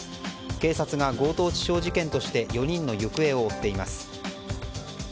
警察が強盗致傷事件として４人の行方を追っています。